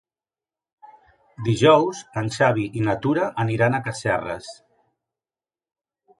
Dijous en Xavi i na Tura aniran a Casserres.